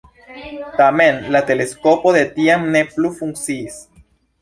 Tamen, la teleskopo de tiam ne plu funkciis.